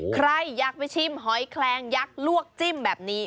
ใครอยากไปชิมหอยแคลงยักษ์ลวกจิ้มแบบนี้